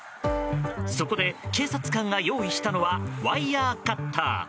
そこで、警察官が用意したのはワイヤカッター。